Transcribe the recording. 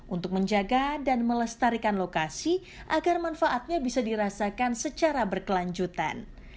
untuk menjaga dan melestarikan lokasi agar manfaatnya bisa dirasakan secara berkelanjutan